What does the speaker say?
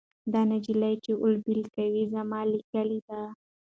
دا نجلۍ چې والیبال کوي زما له کلي ده.